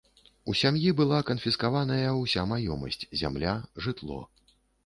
У сям'і была канфіскаваная ўся маёмасць, зямля, жытло.